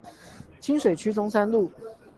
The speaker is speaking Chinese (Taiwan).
清水區中山路